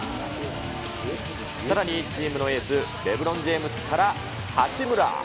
さらにチームのエース、レブロン・ジェームズから八村。